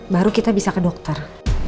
baru kita bisa ke dokter